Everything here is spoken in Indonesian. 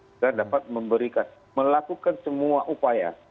kita dapat memberikan melakukan semua upaya